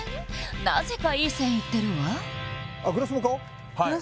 なぜかいい線いってるわグラスは？